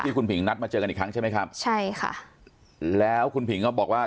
คุณผิงนัดมาเจอกันอีกครั้งใช่ไหมครับใช่ค่ะแล้วคุณผิงก็บอกว่า